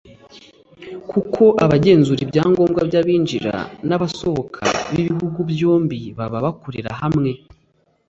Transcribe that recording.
kuko abagenzura ibyagombwa by’abinjira n’abasohoka b’ibihugu byombi baba bakorera hamwe